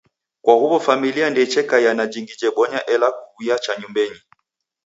Kwa huw'o familia ndeichekaia na jingi jebonya ela kuw'uya cha nyumbenyi.